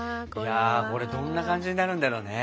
いやこれどんな感じになるんだろうね。